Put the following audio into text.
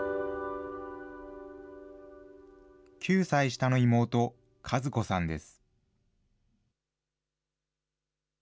９歳下の妹、和子さんです。